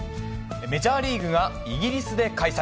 メジャーリーグがイギリスで開催。